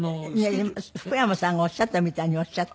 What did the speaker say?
福山さんがおっしゃったみたいにおっしゃって。